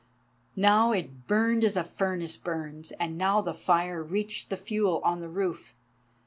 Now it burned as a furnace burns, and now the fire reached the fuel on the roof.